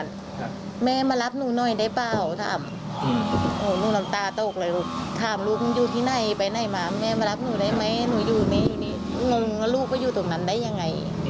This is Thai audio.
แต่ว่าได้ติดต่อพูดคุยกับทางนู้นบ้างมั้ยคะเพื่อนน้อง